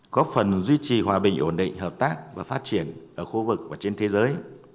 có phần duy trì hòa bình ổn định hợp tác và phát triển ở khu vực và trên thế giới